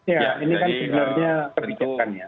ya ini kan sebenarnya kebijakan ya